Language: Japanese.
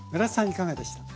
いかがでした？